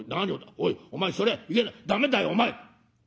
おいお前それいや駄目だよお前」。